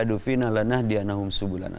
jihadufi nalana dianahum subulana